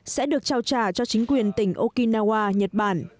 sẽ được trao trả cho chính quyền tỉnh okinawa nhật bản